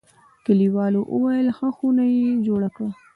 کلیوالو ویل: ښه خونه یې جوړه کړه.